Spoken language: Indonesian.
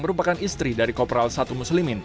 merupakan istri dari kopral satu muslimin